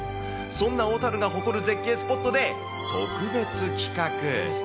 そんな小樽が誇る絶景スポットで、特別企画。